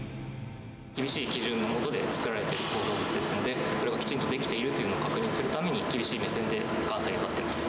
厳しい基準の下で造られてる構造物ですので、きちんとできているというのを確認するために、厳しい目線で監査に当たっています。